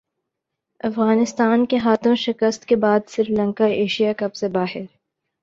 افغانستان کے ہاتھوں شکست کے بعد سری لنکا ایشیا کپ سے باہر